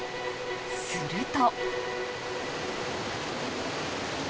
すると。